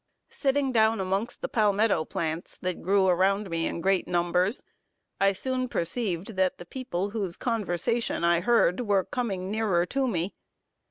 Sitting down amongst the palmetto plants, that grew around me in great numbers, I soon perceived that the people whose conversation I heard, were coming nearer to me.